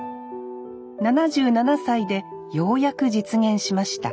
７７歳でようやく実現しました。